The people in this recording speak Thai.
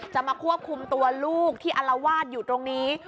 จะมาควบคุมตัวลูกที่อลวาดอยู่ตรงนี้